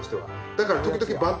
だから。